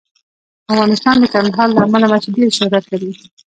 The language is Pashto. افغانستان د کندهار له امله ډېر شهرت لري.